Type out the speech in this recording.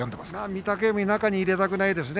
御嶽海は中に入れたくないですね